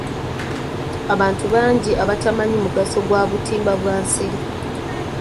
Abantu bangi abatamanyi mugaso gwa butimba bwa nsiri.